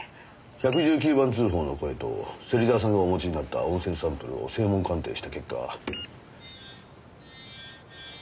１１９番通報の声と芹沢さんがお持ちになった音声サンプルを声紋鑑定した結果。